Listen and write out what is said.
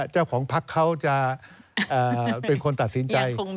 เจ้าของพักเขาจะเป็นคนตัดสินใจ